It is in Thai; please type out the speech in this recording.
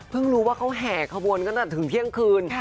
เพิ่งรู้ว่าเขาแห่ขบวนจนจนถึงเทียงคืน